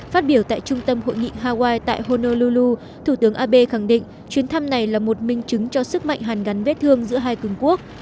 phát biểu tại trung tâm hội nghị hawaii tại honoulu thủ tướng abe khẳng định chuyến thăm này là một minh chứng cho sức mạnh hàn gắn vết thương giữa hai cường quốc